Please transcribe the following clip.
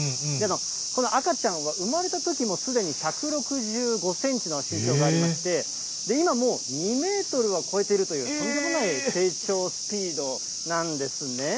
この赤ちゃんは産まれたときもうすでに１６５センチの身長がありまして、今もう、２メートルは超えているという、とんでもない成長スピードなんですね。